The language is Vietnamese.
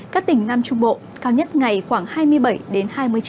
các tỉnh nam trung bộ cao nhất ngày khoảng hai mươi bảy hai mươi chín độ